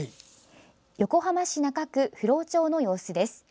横浜市中区不老町の様子です。